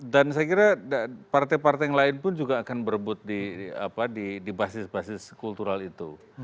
dan saya kira partai partai yang lain pun juga akan berebut di basis basis kultural itu